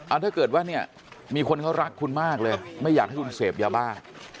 ถ้าเกิดว่าเนี่ยมีคนเขารักคุณมากเลยไม่อยากให้คุณเสพยาบ้า